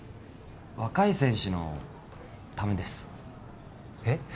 若い選手のためですえっ？